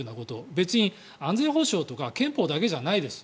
別に安全保障とか憲法だけじゃないです。